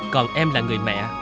còn em là người mẹ